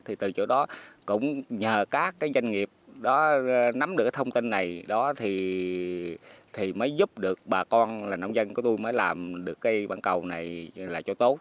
thì từ chỗ đó cũng nhờ các cái doanh nghiệp đó nắm được thông tin này đó thì mới giúp được bà con là nông dân của tôi mới làm được cái quảng cầu này là chỗ tốt